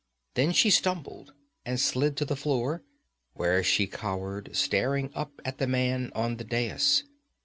Then she stumbled and slid to the floor, where she cowered, staring up at the man on the dais.